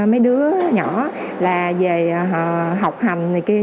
mấy đứa nhỏ là về học hành này kia